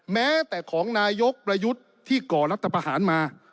แม้แต่ของนายกประยุทธ์ที่ก่อรัฐประหารมา